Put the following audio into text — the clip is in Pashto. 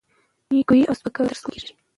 نیوکې او سپکاوي تر سترګو کېږي،